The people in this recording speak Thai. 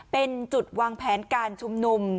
เป็นจุดวางแผนการชุมนุม